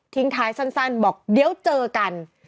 ท้ายสั้นบอกเดี๋ยวเจอกัน